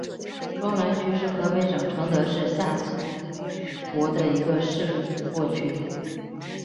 双滦区是河北省承德市下辖的一个市辖区。